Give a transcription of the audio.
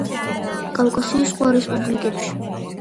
კავკასიის სხვა რესპუბლიკებში.